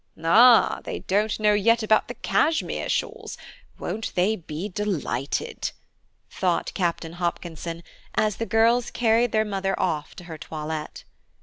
"Ah, they don't know yet about the Cashmere shawls; won't they be delighted?" thought Captain Hopkinson, as the girls carried their mother off to her toilette.